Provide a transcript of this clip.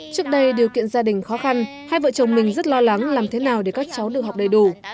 trước đây điều kiện gia đình khó khăn hai vợ chồng mình rất lo lắng làm thế nào để các cháu được học đầy đủ